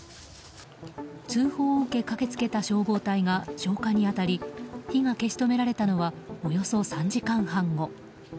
通報を受け駆けつけた消防隊が消火に当たり火が消し止められたのはおよそ３時間半後。